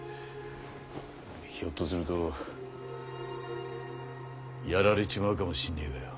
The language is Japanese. ひょっとするとやられちまうかもしれねぇがよ？